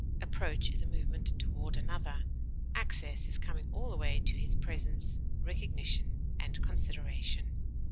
Approach is a movement toward another; access is coming all the way to his presence, recognition, and consideration.